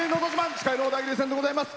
司会の小田切千でございます。